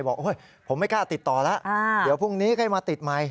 บอกว่าเฮ้ยผมไม่ค่าติดต่อแล้วเดี๋ยวพรุ่งนี้ก็ให้มาติดใหม่